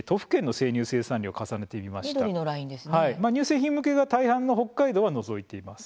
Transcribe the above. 乳製品向けが大半の北海道は除いています。